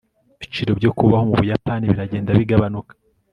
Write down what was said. ibiciro byo kubaho mu buyapani biragenda bigabanuka